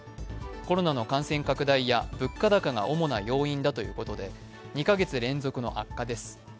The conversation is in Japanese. コロナの感染拡大や物価高が主な要因だということで２カ月連続の悪化です。